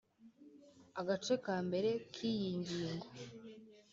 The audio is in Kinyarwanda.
agace ka mbere k iyi ngingo